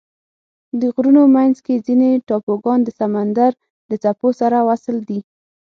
د غرونو منځ کې ځینې ټاپوګان د سمندر د څپو سره وصل دي.